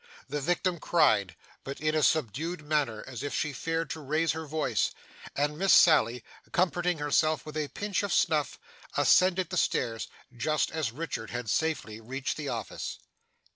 The victim cried, but in a subdued manner as if she feared to raise her voice, and Miss Sally, comforting herself with a pinch of snuff, ascended the stairs, just as Richard had safely reached the office.